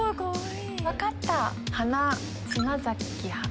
分かった！